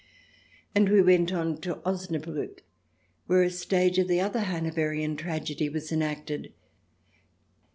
And we went on to Osnabriick, where a stage of the other Hanoverian tragedy was enacted.